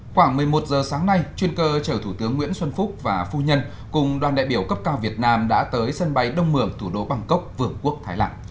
khoảng một mươi một giờ sáng nay chuyên cơ chở thủ tướng nguyễn xuân phúc và phu nhân cùng đoàn đại biểu cấp cao việt nam đã tới sân bay đông mường thủ đô bangkok vườn quốc thái lan